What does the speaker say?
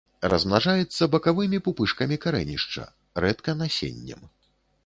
Размнажаецца бакавымі пупышкамі карэнішча, рэдка насеннем.